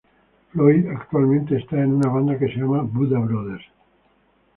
Floyd actualmente está en una banda que se llama "Buddha Brothers".